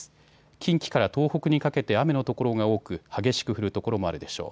近畿から東北にかけて雨の所が多く、激しく降る所もあるでしょう。